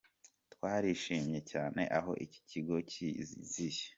Twarishimye cyane aho iki kigo kiziye.